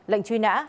lệnh truy nã